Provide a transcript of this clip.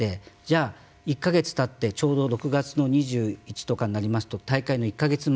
じゃあ１か月たってちょうど６月２１とかになりますと大会の１か月前。